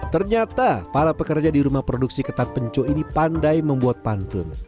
ternyata para pekerja di rumah produksi ketan penco ini pandai membuat pantun